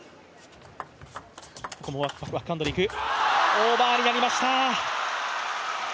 オーバーになりました。